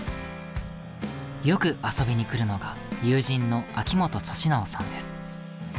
よく遊びに来るのが友人の秋元利直さんです。